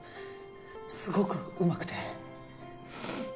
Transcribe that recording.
すごくうまくて